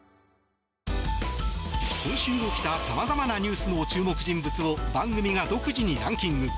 今週起きたさまざまなニュースの注目人物を番組が独自にランキング。